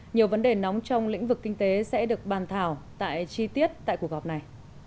nhiều vấn đề nóng trong lĩnh vực kinh tế sẽ được bàn thảo tại chi tiết tại cuộc họp này